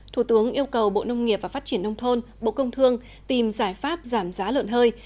thủ tướng yêu cầu bộ nông nghiệp và phát triển nông thôn bộ công thương tìm giải pháp giảm giá lợn hơi